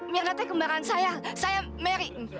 mirna itu perempuan saya saya mary